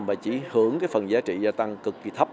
và chỉ hưởng cái phần giá trị gia tăng cực kỳ thấp